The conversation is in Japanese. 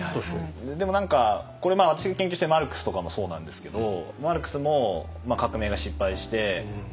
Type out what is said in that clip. でも何かこれ私が研究しているマルクスとかもそうなんですけどマルクスも革命が失敗して亡命者になってイギリスに行って。